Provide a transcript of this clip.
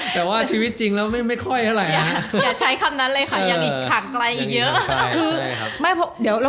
แต่ว่าชีวิตจริงแล้วไม่ค่อยเท่าอย่ายำให้อย่างนี้ขาดไกลอีกเยอะ